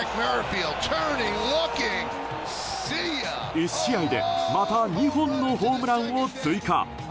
１試合でまた２本のホームランを追加。